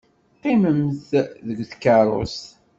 Qqimemt deg tkeṛṛust.